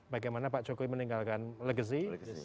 bagaimana pak jokowi meninggalkan legacy